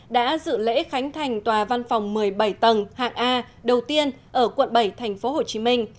đã dự lễ khánh thành tòa văn phòng một mươi bảy tầng hạng a đầu tiên ở quận bảy thành phố hồ chí minh